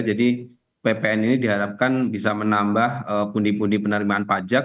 jadi ppn ini diharapkan bisa menambah pundi pundi penerimaan pajak